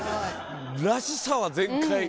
らしさは全開。